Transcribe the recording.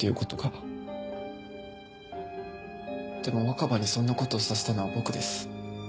でも若葉にそんな事をさせたのは僕です。